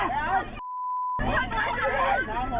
พอพอ